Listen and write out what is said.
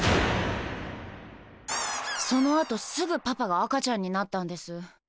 そのあとすぐパパが赤ちゃんになったんです。